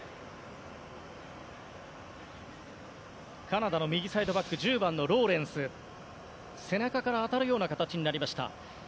カナダの右サイドバック１０番のローレンス背中から当たるような形になりました。